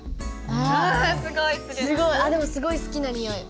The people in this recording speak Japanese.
あっでもすごい好きなにおい！